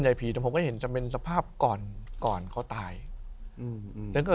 ใหญ่ผีที่ผมก็เห็นจะเป็นสภาพก่อนก่อนเขาตายก็ครับ